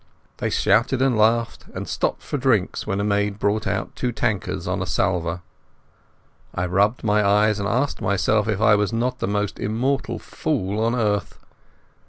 They shouted and laughed and stopped for drinks, when a maid brought out two tankards on a salver. I rubbed my eyes and asked myself if I was not the most immortal fool on earth.